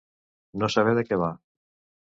No saber de què va.